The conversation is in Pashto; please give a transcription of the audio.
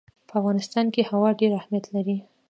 په افغانستان کې هوا ډېر اهمیت لري.